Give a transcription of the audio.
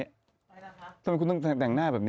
ทำไมคุณต้องแต่งหน้าแบบนี้